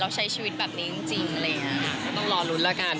เราใช้ชีวิตแบบนี้จริงเลยงั้นต้องลารุ้นแล้วกัน